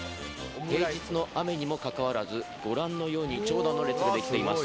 平日の雨にもかかわらず、ご覧のように長蛇の列が出来ています。